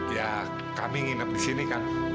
ya kami nginep di sini kan